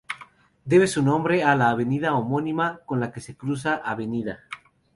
Debe su nombre a la avenida homónima, con la que cruza "Av.